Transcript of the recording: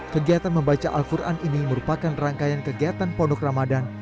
kegiatan membaca al quran ini merupakan rangkaian kegiatan pondok ramadan